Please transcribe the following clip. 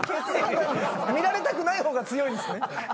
見られたくないほうが強いんすね。